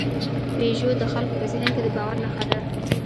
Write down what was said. پيژو د خلکو په ذهن کې د باور نښه ده.